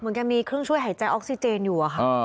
แกมีเครื่องช่วยหายใจออกซิเจนอยู่อะค่ะ